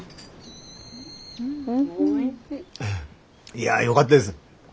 いやよがったです。